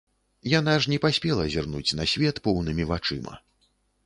Яна ж не паспела зірнуць на свет поўнымі вачыма.